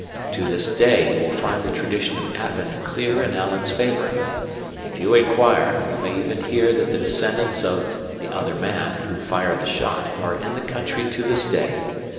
To this day you will find the tradition of Appin clear in Alan's favour. If you inquire, you may even hear that the descendants of "the other man" who fired the shot are in the country to this day.